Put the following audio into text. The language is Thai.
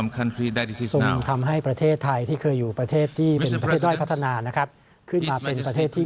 เมื่อท่านท่านมันไม่เคยเป็นผู้ล่งในคราวนี้